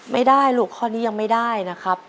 ไม่ได้ลูกข้อนี้ยังไม่ได้นะครับ